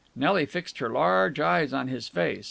Nelly fixed her large eyes on his face.